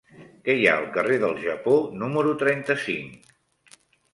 Què hi ha al carrer del Japó número trenta-cinc?